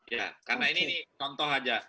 ya karena ini contoh aja